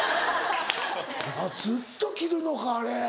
ずっと着るのかあれ。